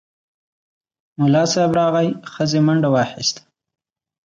ملا صیب راغی، ښځې منډه واخیسته.